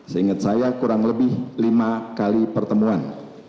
seingat saya kurang lebih lima kali pertemuan